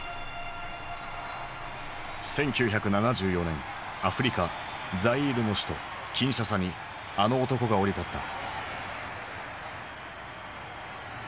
１９７４年アフリカザイールの首都キンシャサにあの男が降り立った。